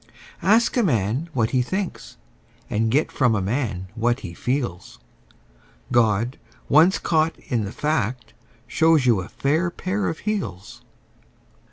Ask a man what he thinks, and get from a man what he feels: God, once caught in the fact, shows you a fair pair of heels.